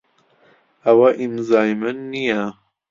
ئەوە ئیمزای من نییە.